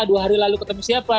dua hari lalu ketemu siapa